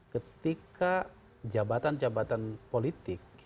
ketika jabatan jabatan politik